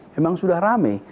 memang sudah ramai